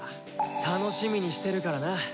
楽しみにしてるからな。